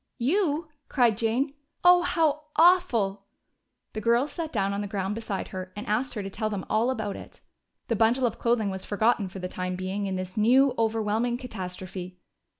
"You!" cried Jane. "Oh, how awful!" The girls sat down on the ground beside her and asked her to tell them all about it. The bundle of clothing was forgotten for the time being in this new, overwhelming catastrophe.